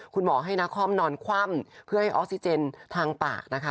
คุณหมอให้นาคอมนอนคว่ำเพื่อให้ออกซิเจนทางปากนะคะ